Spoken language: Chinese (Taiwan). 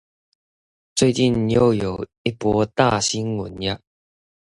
最近又有一波大新聞呀